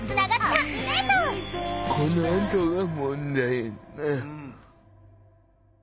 このあとが問題やんな。